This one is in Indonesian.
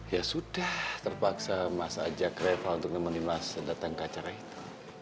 ya sudah terpaksa mas ajak reva untuk nemenin mas datang ke acara itu